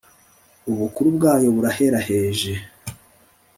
Ubukuru bwayo buraheraheje,